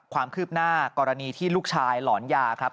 ความคืบหน้ากรณีที่ลูกชายหลอนยาครับ